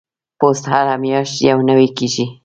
پوست هره میاشت نوي کیږي.